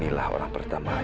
tidak ada yang sudah takut